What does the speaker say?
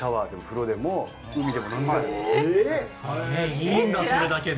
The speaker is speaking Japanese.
いいんだそれだけで。